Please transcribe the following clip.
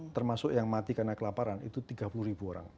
termasuk yang mati karena kelaparan itu tiga puluh ribu orang